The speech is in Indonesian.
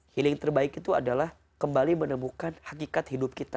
healing terbaik itu adalah kembali menemukan hakikat hidup kita